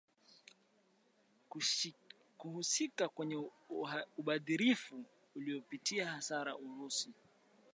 kuhusika kwenye ubadhirifu ulioitia hasara urusi